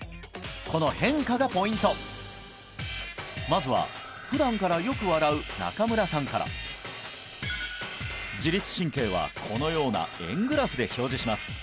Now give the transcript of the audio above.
この変化がポイントまずは普段からよく笑う中村さんから自律神経はこのような円グラフで表示します